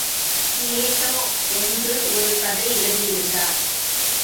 Plato ஒன்று ஒரு கதை எழுதியிருந்தார்.